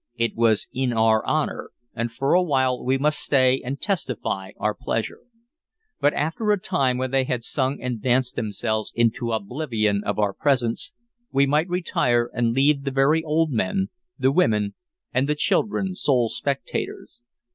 It was in our honor, and for a while we must stay and testify our pleasure; but after a time, when they had sung and danced themselves into oblivion of our presence, we might retire, and leave the very old men, the women, and the children sole spectators.